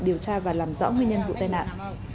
điều tra và làm rõ nguyên nhân vụ tai nạn